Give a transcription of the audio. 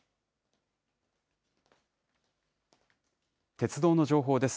鉄道の情報です。